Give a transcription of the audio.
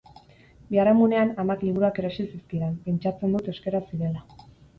Biharamunean, amak liburuak erosi zizkidan, pentsatzen dut euskaraz zirela.